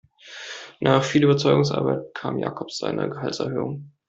Nach viel Überzeugungsarbeit bekam Jakob seine Gehaltserhöhung.